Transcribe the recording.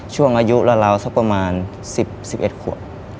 ช่วงอายุราวสักประมาณ๑๑ขวบ